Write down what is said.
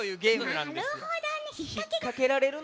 なるほどね。